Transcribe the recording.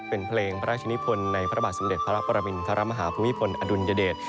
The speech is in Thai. เป็นเพลงพระราชนิพลในพระบาทสมเด็จพระปรมินทรมาฮาภูมิพลอดุลยเดช